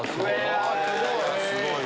すごい！